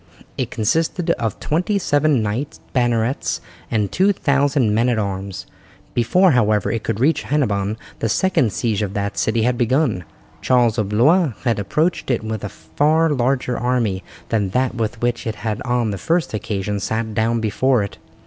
It consisted of twenty seven knights bannerets and 2000 men at arms. Before, however, it could reach Hennebon the second siege of that city had begun. Charles of Blois had approached it with a far larger army than that with which he had on the first occasion sat down before it.